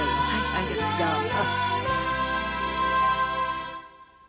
ありがとうございます。